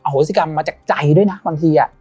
โหสิกรรมมาจากใจด้วยนะบางที